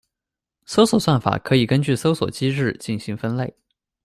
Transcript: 搜索算法可以根据搜索机制进行分类。